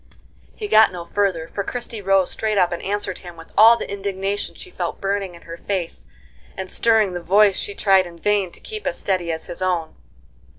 He got no further, for Christie rose straight up and answered him with all the indignation she felt burning in her face and stirring the voice she tried in vain to keep as steady as his own.